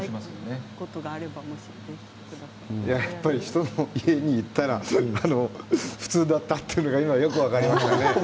人の家に行ったら普通だったというのはよく分かりましたね。